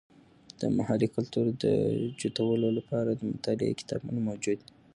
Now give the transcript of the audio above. د محلي کلتور د جوتولو لپاره د مطالعې کتابونه موجود دي.